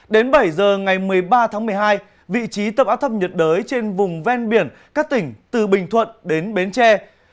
đến bảy giờ ngày một mươi ba tháng một mươi hai vị trí tâm áp thấp nhiệt đới trên vùng ven biển các tỉnh từ bình thuận đến bến tre